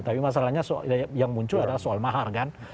tapi masalahnya yang muncul adalah soal mahar kan